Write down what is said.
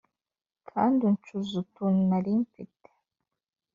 kandi uncuza utuntu nari mfite